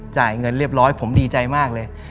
จ่ายเงินเรียบร้อยผมดีใจมากเลย